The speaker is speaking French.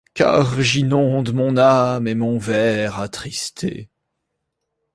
Car j'inonde mon âme et mon vers attristé